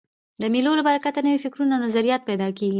د مېلو له برکته نوي فکرونه او نظریات پیدا کېږي.